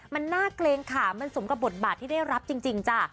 มันน่าเกรงขามันสมกับบทบาทที่ได้รับจริงจ้ะ